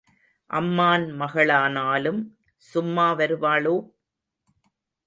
அம்மான் மகளானாலும் சும்மா வருவாளோ?